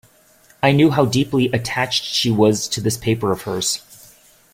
I knew how deeply attached she was to this paper of hers.